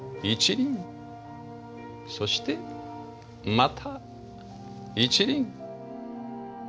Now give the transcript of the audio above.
そしてまた一輪。